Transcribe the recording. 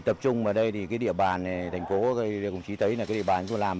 tập trung vào đây thì địa bàn này thành phố này cũng chí thấy là địa bàn chúng tôi làm